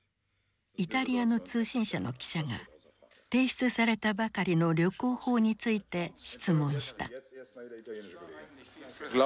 イタリアの通信社の記者が提出されたばかりの旅行法について質問した。